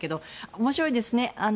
面白いですね。